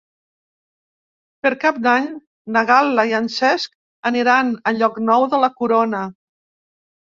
Per Cap d'Any na Gal·la i en Cesc aniran a Llocnou de la Corona.